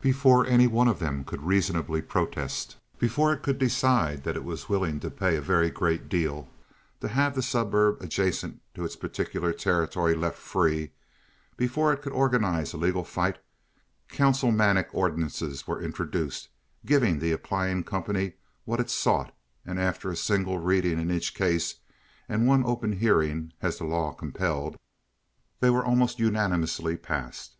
Before any one of them could reasonably protest, before it could decide that it was willing to pay a very great deal to have the suburb adjacent to its particular territory left free, before it could organize a legal fight, councilmanic ordinances were introduced giving the applying company what it sought; and after a single reading in each case and one open hearing, as the law compelled, they were almost unanimously passed.